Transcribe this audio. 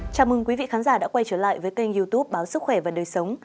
chào mừng quý vị khán giả đã quay trở lại với kênh youtube báo sức khỏe và đời sống